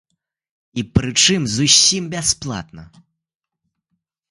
І прычым зусім бясплатна!